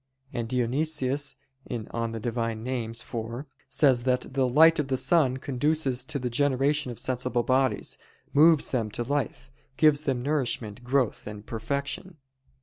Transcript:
And Dionysius (Div. Nom. iv) says that "the light of the sun conduces to the generation of sensible bodies, moves them to life, gives them nourishment, growth, and perfection."